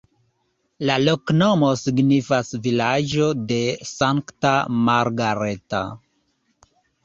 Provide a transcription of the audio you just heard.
La loknomo signifas vilaĝo-de-Sankta Margareta.